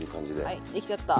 はいできちゃった。